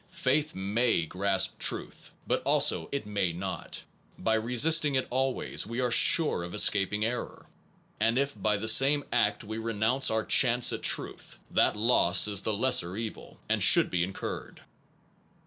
Faith may grasp truth; but also it may not. By resisting it always, we are sure of escaping error; and if by the same act we renounce our chance at truth, that loss is the lesser evil, and should be incurred.